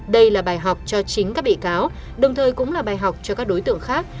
đây là bài học cho chính các bị cáo đồng thời cũng là bài học cho các đối tượng khác